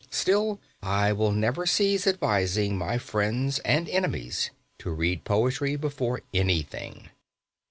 Still, I will never cease advising my friends and enemies to read poetry before anything.